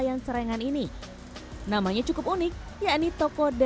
tidak sah rasanya jika berkunjung ke kota solo tanpa singgah di toko ole ole